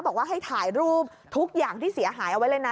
บอกว่าให้ถ่ายรูปทุกอย่างที่เสียหายเอาไว้เลยนะ